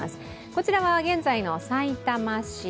こちらは現在のさいたま市。